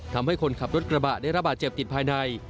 ทำให้คนขับรถกระบะได้ระบาดเจ็บติดภายใน